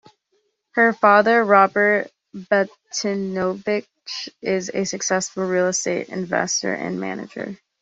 Her father, Robert Batinovich, is a successful real estate investor and manager.